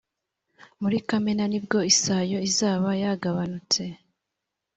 Muri Kamena nibwo isayo izaba yagabanutse